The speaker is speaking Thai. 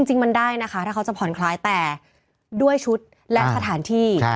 จริงมันได้นะคะถ้าเขาจะผ่อนคลายแต่ด้วยชุดและสถานที่